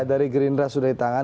dari gerindra sudah di tangan